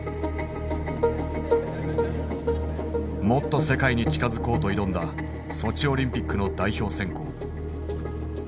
もっと世界に近づこうと挑んだソチオリンピックの代表選考。